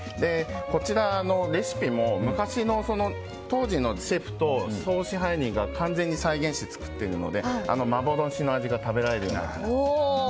こちらのレシピも当時のシェフと総支配人が完全に再現して作っているので幻の味が食べられるようになっています。